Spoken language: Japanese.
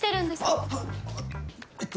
はっあっえっと